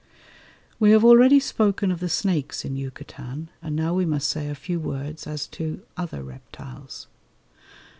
We have already spoken of the snakes in Yucatan, and now we must say a few words as to other reptiles.